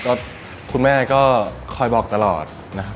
ก็คุณแม่ก็คอยบอกตลอดนะครับ